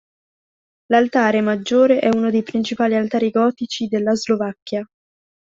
L'altare maggiore è uno dei principali altari gotici della Slovacchia.